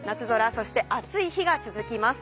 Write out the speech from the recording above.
そして暑い日が続きます。